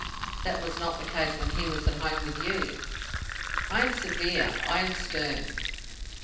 "That was not the case when he was at home with you." "I am severe; I am stern."